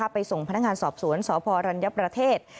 ไปส่งพนักงานสอบสวนสพรัญญประเทศ